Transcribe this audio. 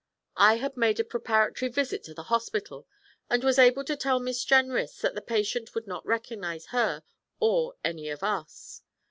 I had made a preparatory visit to the hospital, and was able to tell Miss Jenrys that the patient would not recognise her or any of us.